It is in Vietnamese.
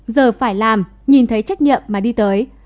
giờ phải làm nhìn thấy trách nhiệm mà đi tới